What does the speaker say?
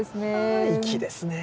あ粋ですね。